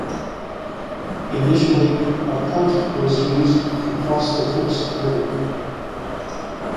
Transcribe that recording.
Initially, a punt was used to cross the Cooks River.